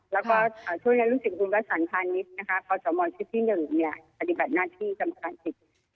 แล้วก็ช่วงนั้นรุ่นสิทธิ์กรุงประสานธานิษฐ์ขอสมมติที่๑ปฏิบัติหน้าที่รับประการสิทธิ์